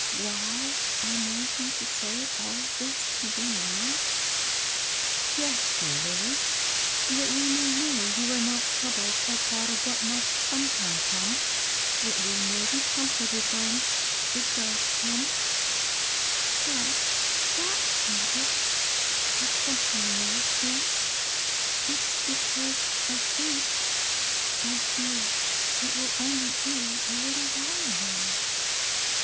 Why I'm wanting to say all this to you " Yes, dear Lilly, that we may know you are not troubled at thought of what must sometime UNDER THE MOUNTAIN ASH. 431 come ; that we may be comforted when — it does come." *^ Yes, (hat J Mabel ; but something more, too : it's because I think — I fed it will only be a little while now."